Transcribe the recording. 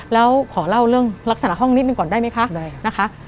แล้วขอเล่าเรื่องลักษณะห้องนิดหนึ่งก่อนได้ไหมคะนะคะ